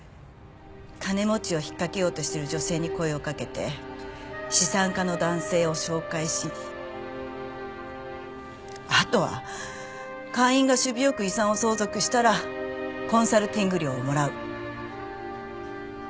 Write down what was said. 金持ちを引っかけようとしている女性に声をかけて資産家の男性を紹介しあとは会員が首尾よく遺産を相続したらコンサルティング料をもらう。